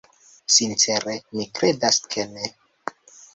Sincere, mi kredas, ke ne.